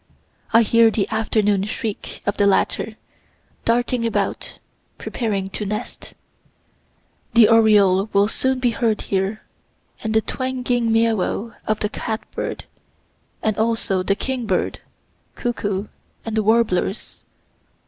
I hear the afternoon shriek of the latter, darting about, preparing to nest. The oriole will soon be heard here, and the twanging meoeow of the cat bird; also the king bird, cuckoo and the warblers.